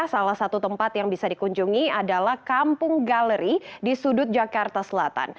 salah satu tempat yang bisa dikunjungi adalah kampung galeri di sudut jakarta selatan